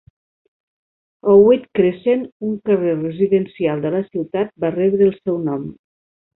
Howitt Crescent, un carrer residencial de la ciutat, va rebre el seu nom.